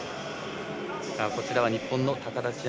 こちらは日本の高田千明。